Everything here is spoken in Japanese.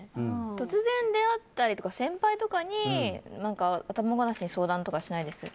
突然、出会ったりとか先輩とかに頭ごなしに相談とかしないです。